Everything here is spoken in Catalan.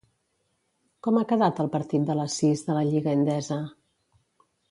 Com ha quedat el partit de les sis de la Lliga Endesa?